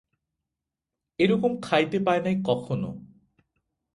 এ রকম খাইতে পায় নাই কখনও!